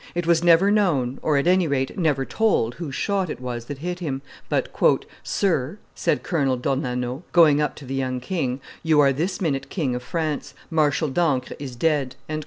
It was never known, or, at any rate, never told, whose shot it was that hit him; but, "Sir," said Colonel d'Ornano, going up to the young king, "you are this minute King of France: Marshal d'Ancre is dead."